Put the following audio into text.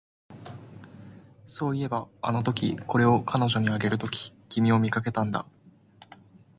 そういえば、あのとき、これを彼女にあげるとき、君を見かけたんだ